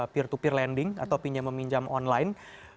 peer to peer lending atau pinjam meminjam online